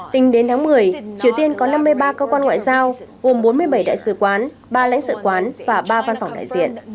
tính đến tháng một mươi triều tiên có năm mươi ba cơ quan ngoại giao gồm bốn mươi bảy đại sứ quán ba lãnh sự quán và ba văn phòng đại diện